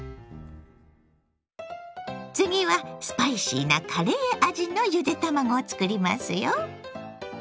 次はスパイシーなカレー味のゆで卵を作りますよ。